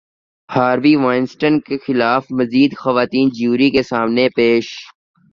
Harvey Weinstein کے خلاف مزید خواتین جیوری کے سامنے پیش